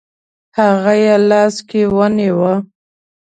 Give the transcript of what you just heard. هغه یې لاس کې ونیوه.